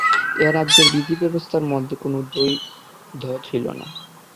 এই রাজ্যের বিধিব্যবস্থার মধ্যে কোনো দ্বৈধ ছিল না।